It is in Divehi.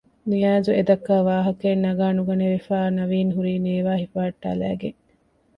ނިޒާރު އެދައްކާ ވާހަކައެއް ނަގާ ނުގަނެވިފައި ނަވީން ހުރީ ނޭވާ ހިފަހައްޓާލައިގެން